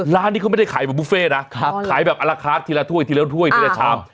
ร้านนี้เค้าไม่ได้ขายบุฟเฟต์นะขายแบบอัลละคาตทีละถ้วยทีละชาม